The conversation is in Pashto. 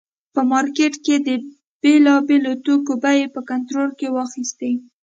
په مارکېټ کې یې د بېلابېلو توکو بیې په کنټرول کې واخیستې.